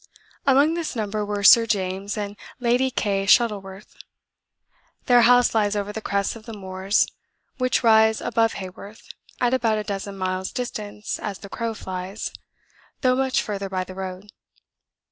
Among this number were Sir James and Lady Kay Shuttleworth. Their house lies over the crest of the moors which rise above Haworth, at about a dozen miles' distance as the crow flies, though much further by the road.